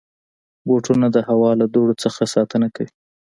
بوټونه د هوا له دوړو نه ساتنه کوي.